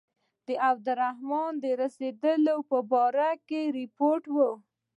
د عبدالرحمن خان د رسېدلو په باره کې رپوټ و.